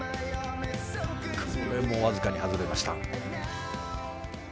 これもわずかに外れました。